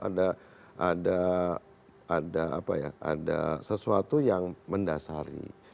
ada sesuatu yang mendasari